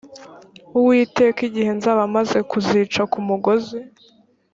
uwiteka igihe nzaba maze kuzica ku mugozi